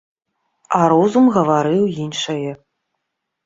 А розум гаварыў іншае.